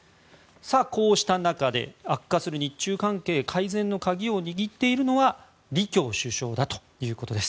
こうした中で悪化する日中関係改善の鍵を握っているのは李強首相だということです。